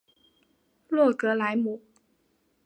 洛格莱姆。